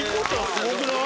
すごくない？